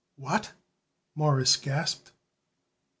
"What!" Morris gasped.